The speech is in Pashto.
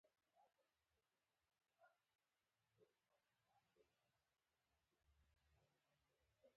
ډېر خلک له شام او دمشق نه اردن ته مهاجر شوي.